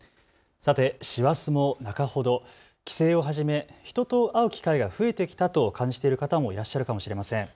さて師走も中ほど、帰省をはじめ人と会う機会が増えてきたと感じている方もいらっしゃるかもしれません。